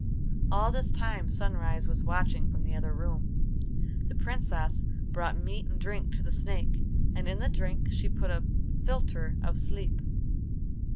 All this time Sunrise was watching from the other room. The Princess brought meat and drink to the snake, and in the drink she put a philtre of sleep.